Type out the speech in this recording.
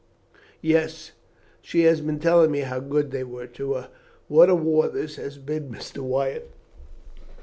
"Yes, she has been telling me how good they were to her. What a war this has been, Mr. Wyatt."